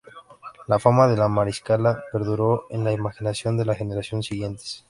La fama de La Mariscala perduró en la imaginación de las generaciones siguientes.